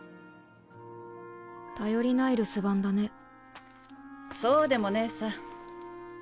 頼りない留守番だねそうでもねえさ